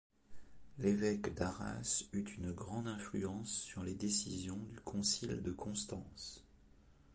L'évêque d'Arras eut une grande influence sur les décisions du concile de Constance.